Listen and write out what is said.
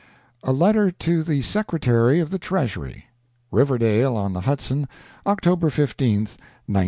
A LETTER TO THE SECRETARY OF THE TREASURY Riverdale on the Hudson, OCTOBER 15, 1902.